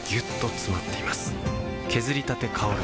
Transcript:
削りたて香る